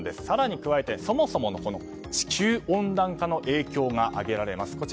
更に加えてそもそもの地球温暖化の影響が挙げられます。